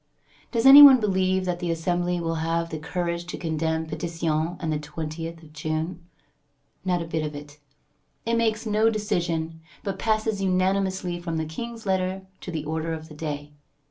Does any one believe that the Assembly will have the courage to condemn Pétion and the 20th of June? Not a bit of it. It makes no decision, but passes unanimously from the King's letter to the order of the day.